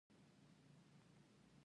لور مي خط کاږي.